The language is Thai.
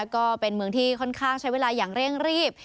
ก็เป็นเมืองที่ค่อนข้างใช้เวลาอย่างเร่งรีบ